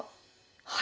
はい。